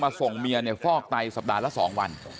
มาส่งเมียฟอกไตรสัปดาห์ละ๒วัน